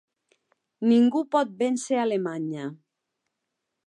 Ningú pot vèncer Alemanya.